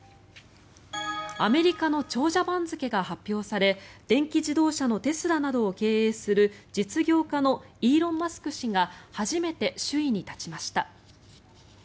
アメリカの長者番付が発表され電気自動車のテスラなどを経営する実業家のイーロン・マスク氏が初めて首位に立ちました。